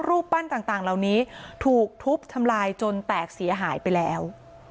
รูปปั้นต่างเหล่านี้ถูกทุบทำลายจนแตกเสียหายไปแล้ว